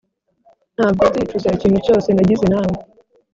ntabwo nzicuza ikintu cyose nagize nawe.